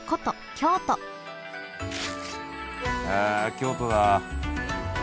京都だ。